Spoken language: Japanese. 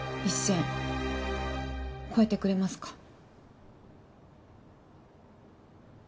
一線越えてくれますか？